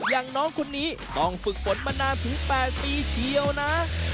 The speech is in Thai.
อย่างน้องคนนี้ต้องฝึกฝนมานานถึง๘ปีเชียวนะ